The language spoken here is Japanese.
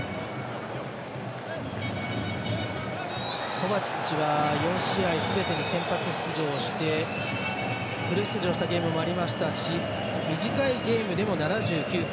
コバチッチは４試合すべてに先発出場をしてフル出場したゲームもありましたし短いゲームでも７９分。